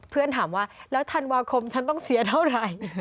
เพื่อนถามว่าแล้วธันวาคมฉันต้องเสียเท่าไหร่